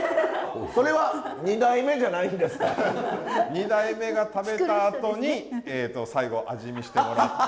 ２代目が食べたあとに最後味見してもらって。